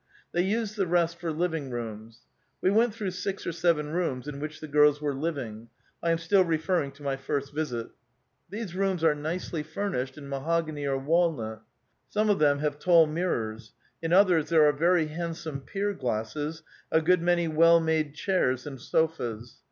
They use the rest for living rooms. We went through six or seven rooms, in which the girls were living. (I am still referring to my first visit.) These rooms are nicely furnished in mahogany or walnut. Some of them have tall mirrors ; in others there are verj' handsome pier glasses ; a good many well made chairs and sofas.